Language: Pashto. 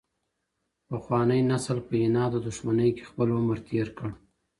پخوانی نسل په عناد او دښمنۍ کي خپل عمر تېر کړ.